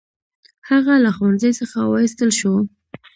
هغه له ښوونځي څخه وایستل شو.